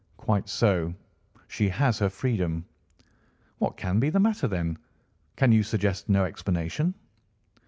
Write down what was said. "Quite so. She has her freedom." "What can be the matter, then? Can you suggest no explanation?"